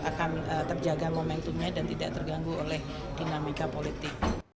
akan terjaga momentumnya dan tidak terganggu oleh dinamika politik